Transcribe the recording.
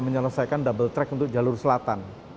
menyelesaikan double track untuk jalur selatan